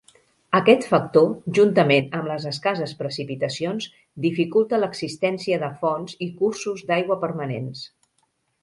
Aquest factor, juntament amb les escasses precipitacions, dificulta l'existència de fonts i cursos d'aigua permanents.